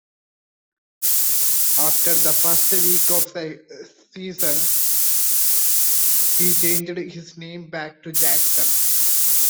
After the first week of the season, he changed his name back to Jackson.